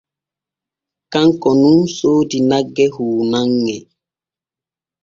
Kanko nun soodi nagge huunanŋe.